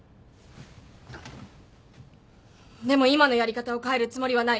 でも今のやり方を変えるつもりはない。